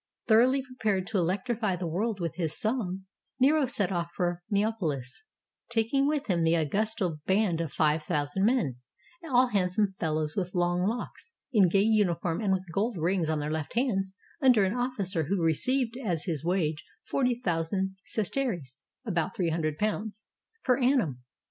Thoroughly prepared to electrify the world with his song, Nero set off for Neapolis, taking with him the Au gustal band of five thousand men, all handsome fellows with long locks, in gay uniform and with gold rings on their left hands, under an officer who received as his wage forty thousand sesterces (about three hundred pounds) per annum.